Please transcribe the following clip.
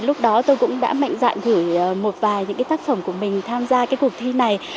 lúc đó tôi cũng đã mạnh dạng gửi một vài tác phẩm của mình tham gia cuộc thi này